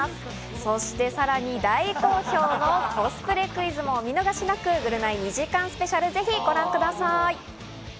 そして、さらに大好評のコスプレクイズもお見逃しなく、『ぐるナイ』２時間スペシャルぜひご覧ください。